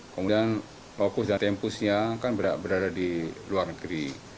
kemudian fokus dan tempusnya kan berada di luar negeri